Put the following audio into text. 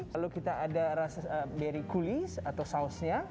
lalu kita ada beri kulis atau sausnya